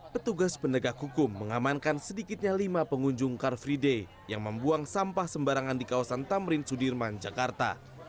petugas pendegak hukum mengamankan sedikitnya lima pengunjung car free day yang membuang sampah sembarangan di kawasan tamrin sudirman jakarta